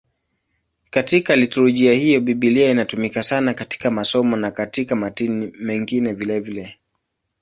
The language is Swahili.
Katika liturujia hiyo Biblia inatumika sana katika masomo na katika matini mengine vilevile.